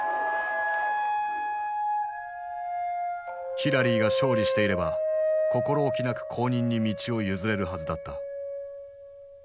ヒラリーが勝利していれば心おきなく後任に道を譲れるはずだった。